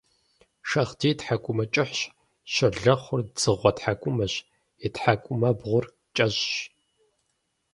Шагъдийр тхьэкӀумэ кӀыхьщ, щолэхъур дзыгъуэ тхьэкӀумэщ – и тхьэкӀумэбгъур кӀэщӀщ.